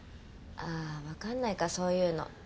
ああ分かんないかそういうの。